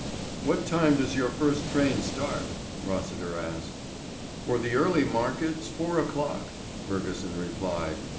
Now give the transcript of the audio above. "What time does your first train start?" Rossiter asked. "For the early markets, four o'clock," Fergusson replied.